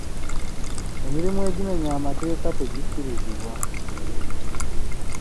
Emirimu egimenya amateeka tegikkirizibwa.